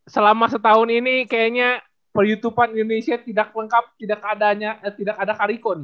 selama setahun ini kayaknya per youtuban indonesia tidak lengkap tidak ada karikun